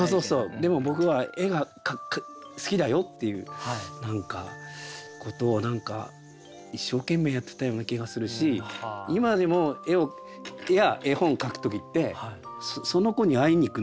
でも僕は絵が好きだよっていうことを何か一生懸命やってたような気がするし今でも絵や絵本を描く時ってその子に会いに行くんですよ。